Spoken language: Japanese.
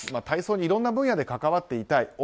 体操にいろんな分野で関わっていたい。